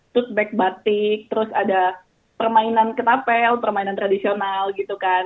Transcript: tooth back batik terus ada permainan ketapel permainan tradisional gitu kan